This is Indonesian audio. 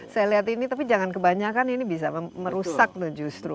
saya lihat ini tapi jangan kebanyakan ini bisa merusak loh justru